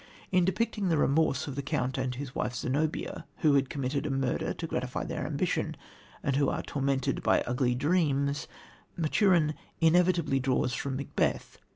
In depicting the remorse of the count and his wife Zenobia, who had committed a murder to gratify their ambition, and who are tormented by ugly dreams, Maturin inevitably draws from Macbeth.